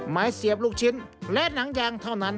เสียบลูกชิ้นและหนังยางเท่านั้น